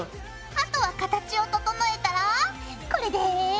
あとは形を整えたらこれで。